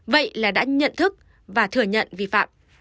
vậy là đã nhận thức và thừa nhận vi phạm